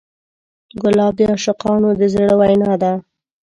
ګلاب د عاشقانو د زړه وینا ده.